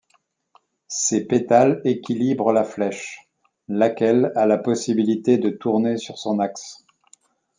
Ces pétales équilibrent la flèche, laquelle a la possibilité de tourner sur son axe.